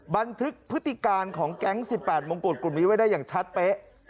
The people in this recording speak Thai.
บันทึกพฤติการของแก๊ง๑๘มงกุฎกลุ่มนี้ไว้ได้อย่างชัดเป๊ะ